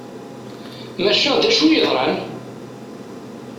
Maca d acu i yeḍran?